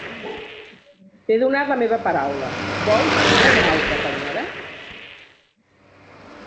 T'he donat la meva paraula: vols una altra penyora?